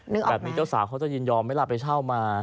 แบบนี้เจ้าสาวเขาจะยินยอมไหมล่ะไปเช่ามา